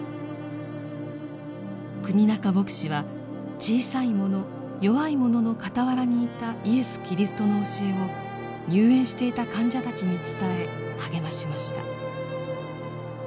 国仲牧師は小さい者弱い者の傍らにいたイエス・キリストの教えを入園していた患者たちに伝え励ましました。